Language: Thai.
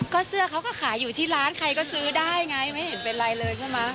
ก็เสื้อเขาก็ขายอยู่ที่ร้านใครก็ซื้อได้ไงไม่เห็นเป็นไรเลยใช่ไหม